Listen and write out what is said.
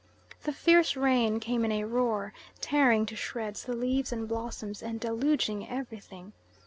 The fierce rain came in a roar, tearing to shreds the leaves and blossoms and deluging everything.